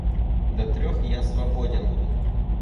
До трех я свободен.